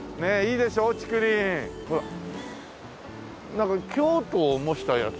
なんか京都を模したやつ？